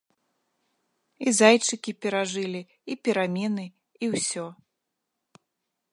І зайчыкі перажылі, і перамены, і ўсё.